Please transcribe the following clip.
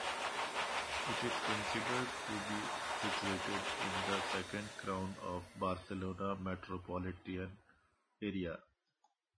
It is considered to be situated in the second crown of Barcelona metropolitan area.